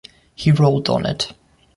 He rolled on it.